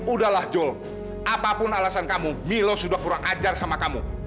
udahlah jul apapun alasan kamu milo sudah kurang ajar sama kamu